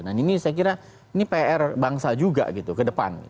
nah ini saya kira ini pr bangsa juga gitu ke depan